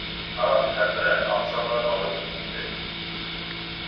Ах, һәпрә, аҡсаны алып китте!